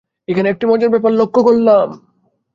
এইখানে আমি একটা মজার ব্যাপার লক্ষ করলাম।